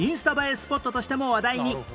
スポットとしても話題に